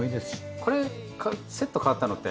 これセット変わったのって。